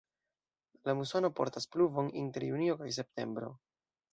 La musono portas pluvon inter junio kaj septembro.